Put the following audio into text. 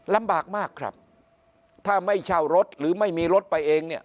ลำบากมากครับถ้าไม่เช่ารถหรือไม่มีรถไปเองเนี่ย